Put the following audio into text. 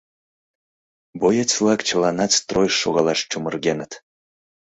Боец-влак чыланат стройыш шогалаш чумыргеныт.